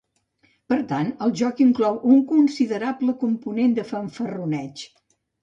Per tant, el joc inclou un considerable component fanfarroneig.